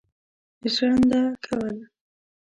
ژرنده کول.